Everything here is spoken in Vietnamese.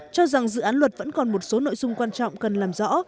cho rằng dự án luật vẫn còn một số nội dung quan trọng cần làm rõ